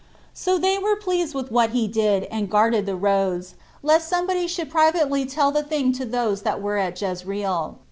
3. So they were pleased with what he did, and guarded the roads, lest somebody should privately tell the thing to those that were at Jezreel.